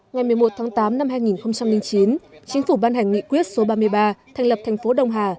ngày một mươi một tháng tám năm hai nghìn chín chính phủ ban hành nghị quyết số ba mươi ba thành lập thành phố đông hà